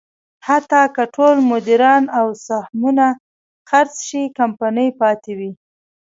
حتی که ټول مدیران او سهمونه خرڅ شي، کمپنۍ پاتې وي.